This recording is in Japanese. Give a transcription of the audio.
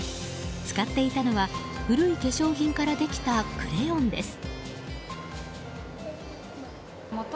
使っていたのは古い化粧品からできたクレヨンです。